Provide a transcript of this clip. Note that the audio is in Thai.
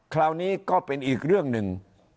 คราวนี้ก็เป็นอีกเรื่องหนึ่ง